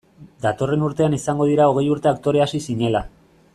Datorren urtean izango dira hogei urte aktore hasi zinela.